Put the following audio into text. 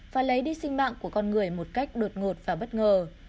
và lấy đi sinh mạng của con người một cách đột ngột và bất ngờ